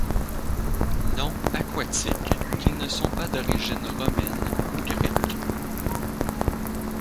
Noms aquatiques qui ne sont pas d'origine romaine ou grecque.